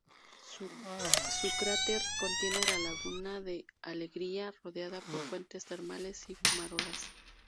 Su cráter contiene la Laguna de Alegría, rodeada por fuentes termales y fumarolas.